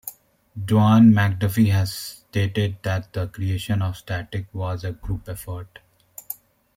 Dwayne McDuffie has stated that the creation of Static was a group effort.